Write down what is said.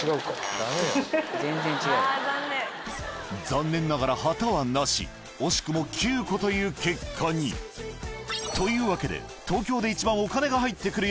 残念ながら旗はなし惜しくも９個という結果にというわけで東京で一番お金が入って来る